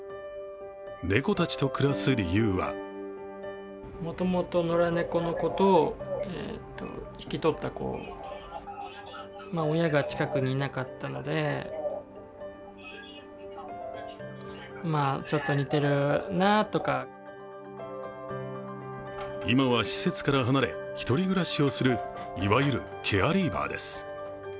猫たちと暮らす理由は今は施設から離れ、１人暮らしをするいわゆるケアリーバーです。